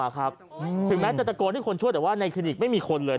ถึงแม้จะตะโกนให้คนช่วยแต่ว่าในคลินิกไม่มีคนเลย